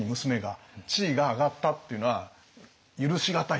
地位が上がったっていうのは許しがたいと。